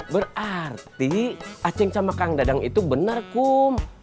berarti aceh sama kang dadang itu benar kum